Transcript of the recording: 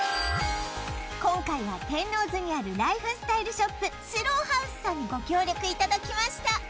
今回は天王洲にあるライフスタイルショップさんにご協力いただきました